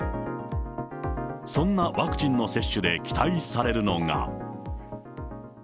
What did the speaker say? そんなワクチンの接種で期待されるのが。